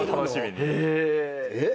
えっ？